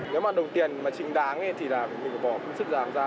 nếu mà đồng tiền mà trịnh đáng thì là mình có bỏ cũng sức giảm ra